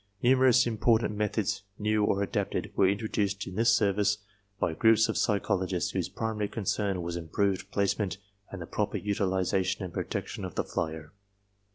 Numerous im portant methods new or adapted, were introduced in this service by groups of psychologists whose primary concern was improved placement and the proper utilization and protection of the flyer.